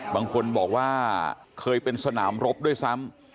บางคนบอกว่าเคยเป็นสนามรบด้วยซ้ำ